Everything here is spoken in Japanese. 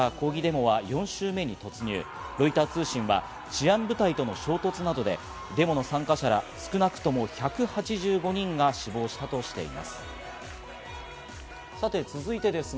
ロイター通信は治安部隊との衝突などでデモの参加者ら少なくとも１８５人が死亡したとしています。